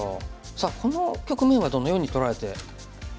さあこの局面はどのように捉えていましたか？